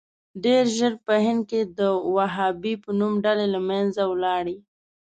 ډېر ژر په هند کې د وهابي په نوم ډلې له منځه ولاړې.